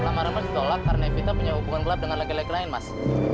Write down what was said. lamaran mas ditolak karena evita punya hubungan gelap dengan laki laki lain mas